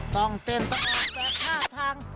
ต้องเต้นต้นออกแปด๕ทาง